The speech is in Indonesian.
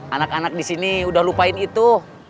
anak anak di sini udah lupain itu